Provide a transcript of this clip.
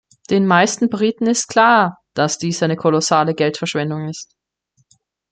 Den meisten Briten ist klar, dass dies eine kolossale Geldverschwendung ist.